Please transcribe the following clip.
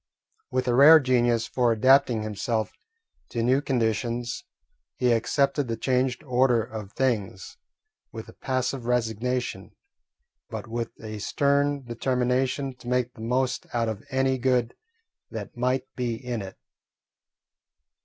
With a rare genius for adapting himself to new conditions, he accepted the changed order of things with a passive resignation, but with a stern determination to make the most out of any good that might be in it.